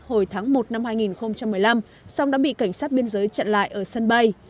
hồi tháng một năm hai nghìn một mươi năm song đã bị cảnh sát biên giới chặn lại ở sân bay